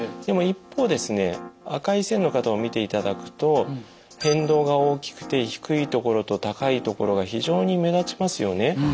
でも一方ですね赤い線の方を見ていただくと変動が大きくて低い所と高い所が非常に目立ちますよね。